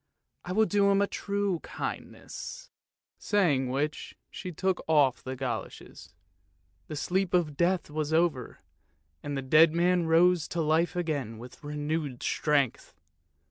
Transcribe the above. I will do him a true kindness! " saying which she took off the goloshes; the sleep of death was over — the dead man rose to life again with renewed strength.